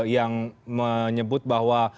yang menyebut bahwa